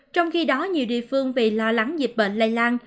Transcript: trong khi đó nhiều địa phương vì lo lắng dịch bệnh lây lan